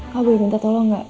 kak boleh minta tolong ga